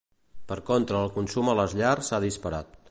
Per contra, el consum a les llars s'ha disparat.